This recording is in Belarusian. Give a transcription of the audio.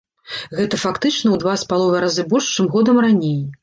Гэта фактычна ў два з паловай разы больш, чым годам раней.